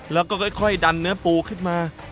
แล้วก็ค่อยดันเนื้อปูขึ้นมา